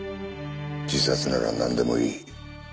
自殺ならなんでもいい。